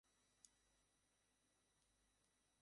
মন ভরে উপভোগ করবে দুই অসম লড়াকুর কুস্তিলড়াই।